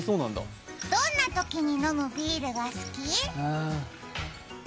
どんなときに飲むビールが好き？